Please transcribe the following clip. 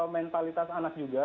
mentalitas anak juga